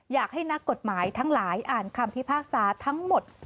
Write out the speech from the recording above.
อยากให้นักกฎหมายทั้งหลายอ่านคำพิพากษาทั้งหมด